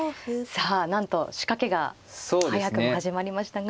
さあなんと仕掛けが早くも始まりましたが。